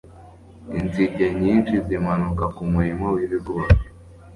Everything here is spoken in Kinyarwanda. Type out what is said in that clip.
Inzige nyinshi zimanuka kumurima wibigori